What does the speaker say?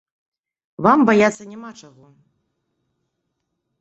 Вам баяцца няма чаго.